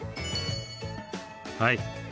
はい。